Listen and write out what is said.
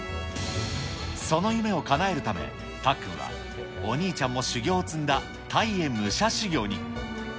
その夢をかなえるため、たっくんはお兄ちゃんも修行を積んだタイへ武者修行に。